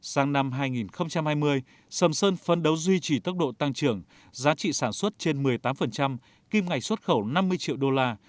sáng năm hai nghìn hai mươi sầm sơn phân đấu duy trì tốc độ tăng trưởng giá trị sản xuất trên một mươi tám kim ngạch xuất khẩu năm mươi triệu đô la